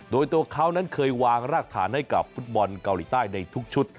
โดยตัวเขานั้นเคยวางรากฐานให้กับฟุตบอลเกาหลีใต้ในทุกชุด